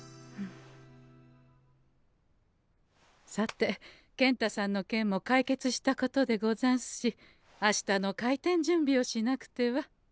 さて健太さんの件も解決したことでござんすしあしたの開店準備をしなくては。